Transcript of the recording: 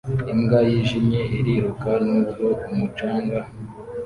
Imbwa yijimye iriruka nubwo umucanga